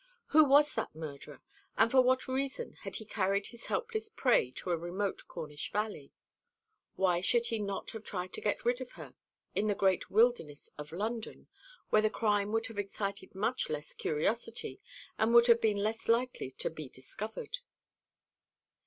Who was that murderer, and for what reason had he carried his helpless prey to a remote Cornish valley? Why should he not have tried to get rid of her in the great wilderness of London, where the crime would have excited much less curiosity, and would have been less likely to be discovered?